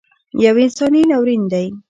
یو انساني ناورین دی